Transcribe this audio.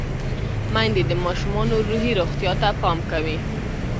میندې د ماشومانو روحي روغتیا ته پام کوي۔